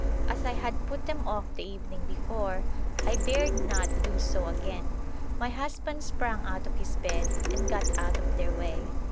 As I had put them off the evening before, I dared not do so again. My husband sprang out of his bed and got out of their way.